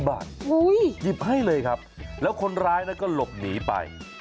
บาทหยิบให้เลยครับแล้วคนร้ายก็หลบหนีไป